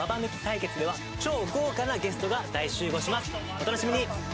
お楽しみに！